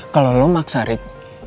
kalau lo maksa rick